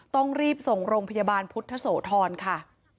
ต้องรีบส่งโรงพยาบาลพุทธโสธรค่ะ